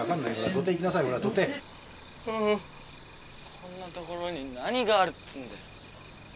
こんな所に何があるっつうんだよ。